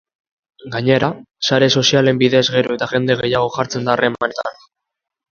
Gainera, sare sozialen bidez gero eta jende gehiago jartzen da harremanetan.